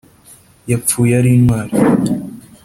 yapfuye ari intwari